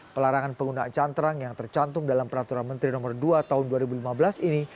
pelarangan penggunaan cantrang yang tercantum dalam peraturan menteri no dua tahun dua ribu lima belas ini